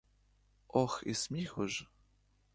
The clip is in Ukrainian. Ох, і сміху ж!